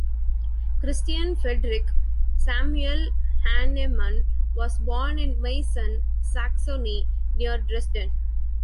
Christian Friedrich Samuel Hahnemann was born in Meissen, Saxony, near Dresden.